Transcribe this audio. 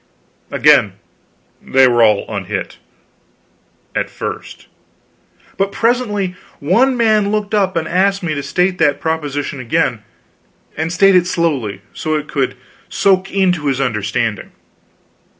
Again they were all unhit at first. But presently one man looked up and asked me to state that proposition again; and state it slowly, so it could soak into his understanding.